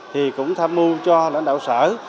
thì cũng tham mưu cho lãnh đạo sở